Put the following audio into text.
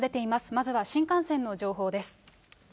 まずは新幹線の情報です。